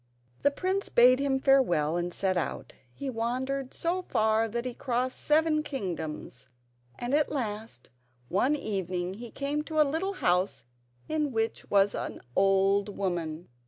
The prince bade him farewell and set out. He wandered so far that he crossed seven kingdoms, and at last, one evening, he came to a little house in which was an old woman.